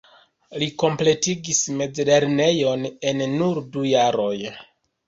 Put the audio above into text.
Li kompletigis mezlernejon en nur du jaroj.